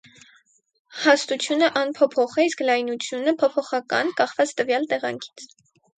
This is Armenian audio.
Հաստությունը անփոփոխ է, իսկ լայնությունը փոփոխական՝ կախված տվյալ տեղանքից։